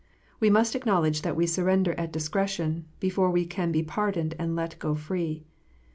We must acknowledge that we surrender at dis cretion, before we can be pardoned and let go free.